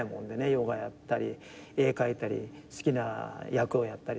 ヨガやったり絵描いたり好きな役をやったりとか。